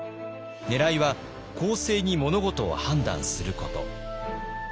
ねらいは公正に物事を判断すること。